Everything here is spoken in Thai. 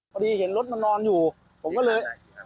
พอดีเห็นรถมันนอนอยู่ผมก็เลย